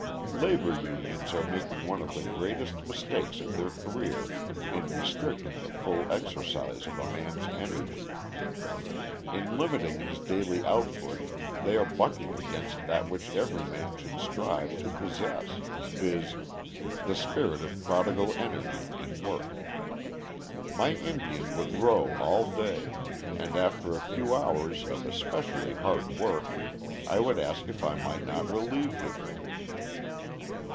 Labor unions are making one of the greatest mistakes of their career in restricting the full exercise of a man's energy. In limiting his daily output they are bucking against that which every man should strive to possess, viz., the spirit of prodigal energy in work. My Indian would row all day, and after a few hours of especially hard work I would ask if I might not relieve him.